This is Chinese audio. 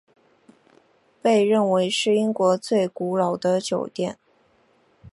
被认为是英国最古老的酒店。